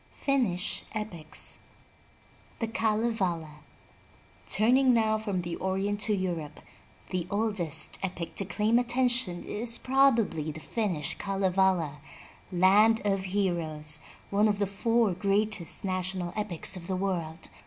^^ ^^5 ^FINNISH EPICS THE KALEVALA URNING now from the Orient to Europe, the oldest epic to claim attention is prob ably the Finnish Kalevala, Land of Heroes, one of the four greatest national epics of the world.